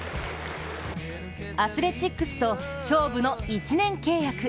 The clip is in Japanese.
アスレチックスと勝負の１年契約。